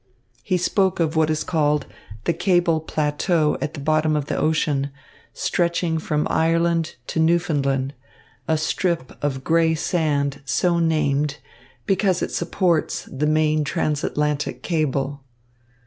He spoke of what is called the cable plateau at the bottom of the ocean, stretching from Ireland to Newfoundland, a strip of grey sand so named because it supports the main transatlantic cable.